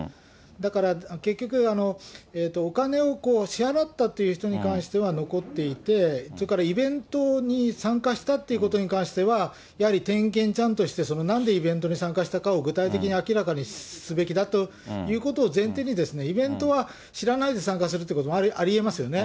だから、結局、お金を支払ったという人に関しては残っていて、それからイベントに参加したっていうことに関しては、やはり点検ちゃんとして、なんでイベントに参加したのかを、具体的に明らかにすべきだということを前提に、イベントは知らないで参加するってこともありえますよね。